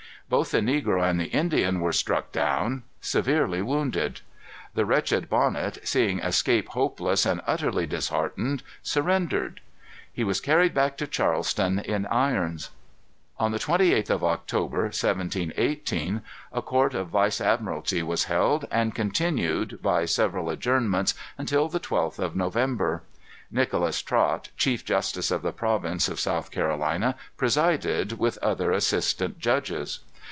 Both the negro and the Indian were struck down severely wounded. The wretched Bonnet, seeing escape hopeless, and utterly disheartened, surrendered. He was carried back to Charleston in irons. On the twenty eighth of October, 1718, a court of vice admiralty was held, and continued, by several adjournments, until the twelfth of November. Nicholas Trot, chief justice of the province of South Carolina, presided, with other assistant judges.